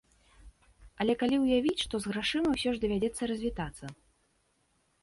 Але калі ўявіць, што з грашыма ўсё ж давядзецца развітацца?